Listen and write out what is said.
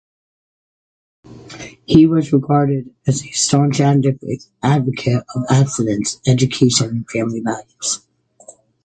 He was regarded as a staunch advocate of abstinence education and family values.